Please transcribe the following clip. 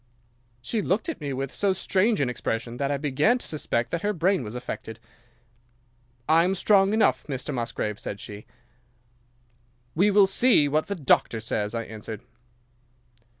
"'She looked at me with so strange an expression that I began to suspect that her brain was affected. "'"I am strong enough, Mr. Musgrave," said she. "'"We will see what the doctor says," I answered.